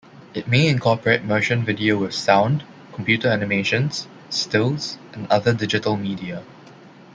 It may incorporate motion video with sound, computer animations, stills, and other digital media.